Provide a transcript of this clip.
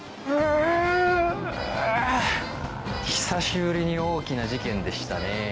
久しぶりに大きな事件でしたね